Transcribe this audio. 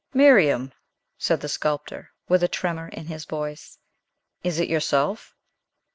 "Miriam," said the sculptor, with a tremor in his voice, "is it yourself?"